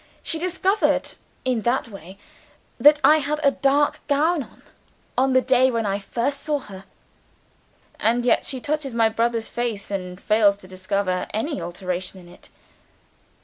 She discovered, in that way, that I had a dark gown on, on the day when I first saw her." "And yet, she touches my brother's face, and fails to discover any alteration in it."